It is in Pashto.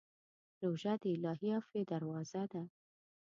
روژه د الهي عفوې دروازه ده.